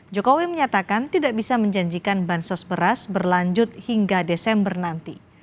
jokowi menyatakan tidak bisa menjanjikan bansos beras berlanjut hingga desember nanti